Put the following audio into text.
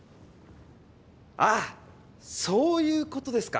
ああそういうことですか。